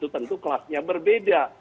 tentu kelasnya berbeda